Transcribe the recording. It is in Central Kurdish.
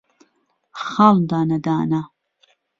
خاڵ دانهدانه